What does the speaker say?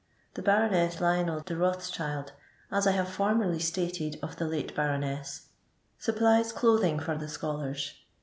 The Baroneai Lionel de Bothtchild (as I haye formerly stated of the late Bflioness) supplies clothing for the scholars.